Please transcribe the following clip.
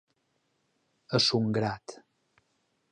A son grat.